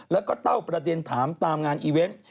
แล้วก็เต้าประเด็นถามตามงานอีเวนต์